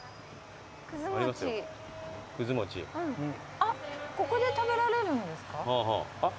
あっここで食べられるんですか？